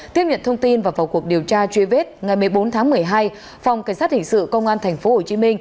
tiếp nhận thông tin và vào cuộc điều tra truy vết ngày một mươi bốn tháng một mươi hai phòng cảnh sát hình sự công an tp hcm